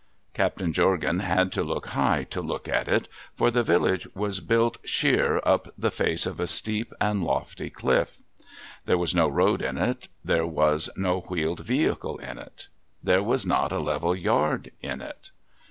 Captain Jorgan had to look high to look at it, for the village was built sheer up the face of a steep and lofty cliff. There was no road in it, there was no wheeled vehicle in it, there was not a level yard in it.